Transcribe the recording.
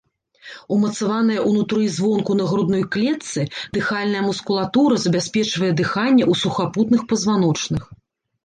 Умацаваная ўнутры і звонку на грудной клетцы дыхальная мускулатура забяспечвае дыханне ў сухапутных пазваночных.